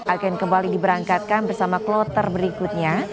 akan kembali diberangkatkan bersama kloter berikutnya